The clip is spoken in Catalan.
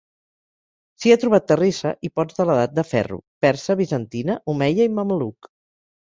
S'hi ha trobat terrissa i pots de l'Edat de Ferro, persa, bizantina, omeia i mameluc.